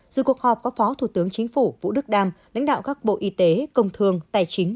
dù cuộc họp có phó thủ tướng chính phủ vũ đức đam lãnh đạo các bộ y tế công thương tài chính